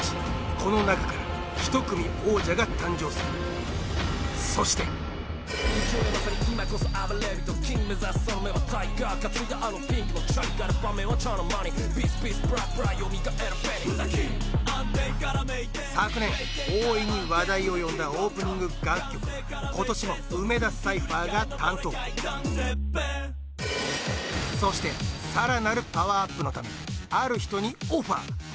この中から１組王者が誕生するそして昨年大いに話題を呼んだオープニング楽曲は今年も梅田サイファーが担当そしてさらなるパワーアップのためある人にオファー